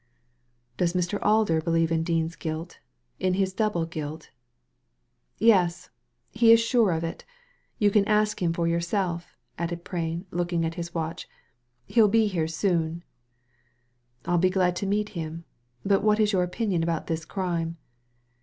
•'Does Mr. Alder believe in Dean's guilt — in his double guilt?" '•Yes. He is sure of it You can ask him for yourself," added Prain, looking at his watch. •• He'll be here soon." ••I'll be glad to meet him. But what is your opinion about this crime